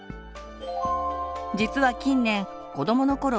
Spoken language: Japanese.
実は近年子どものころ